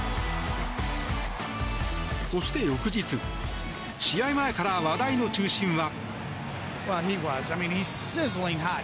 そして翌日、試合前から話題の中心は。